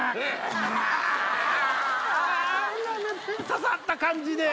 刺さった感じで。